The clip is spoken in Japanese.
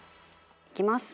いきます。